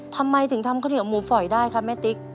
ทำไมถึงทำข้าวเหนียวหมูฝอยได้คะแม่ติ๊ก